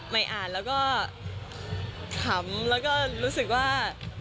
อ่านแล้วก็ขำแล้วก็รู้สึกว่า